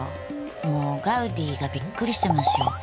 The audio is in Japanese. もうガウディがびっくりしてますよ。